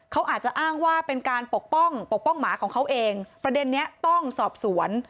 เขาอาจจะอ้างว่าเป็นการปกป้องปกป้องหมาของเขาเองประเด็นนี้ต้องสอบสวน